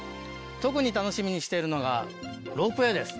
特に楽しみにしているのがロープウエーです」